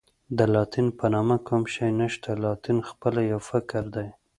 د لاتین په نامه کوم شی نشته، لاتین خپله یو فکر دی.